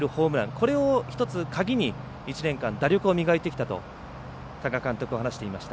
これを１つ鍵に１年間打力を磨いてきたと多賀監督は話していました。